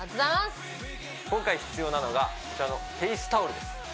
今回必要なのがこちらのフェイスタオルです